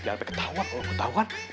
jangan sampai ketahuan oh ketahuan